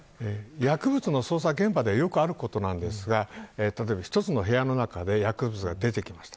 薬物の捜査現場ではよくあることなのですが一つの部屋の中で薬物が出てきました。